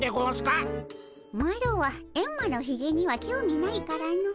マロはエンマのひげには興味ないからの。